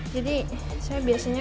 jadi saya biasanya